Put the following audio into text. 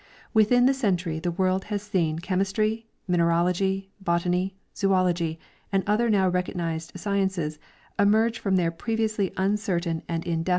Within the century the world has seen chem istry, mineralogy, botany, zoology and other now recognized sciences emerge from their previously uncertain and indefinite m— Nat.